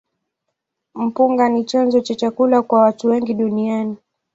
Mpunga ni chanzo cha chakula kwa watu wengi duniani.